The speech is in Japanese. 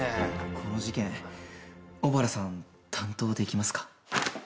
この事件小原さん担当できますか？